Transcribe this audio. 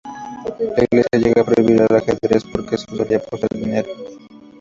La Iglesia llega a prohibir el ajedrez, porque se solía apostar dinero.